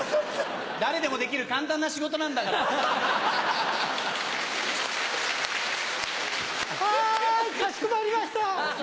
誰でもできる簡単な仕事なんはーい、かしこまりました。